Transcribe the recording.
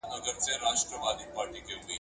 د سلطنت مشروعيت تر پوښتنې لاندې شو.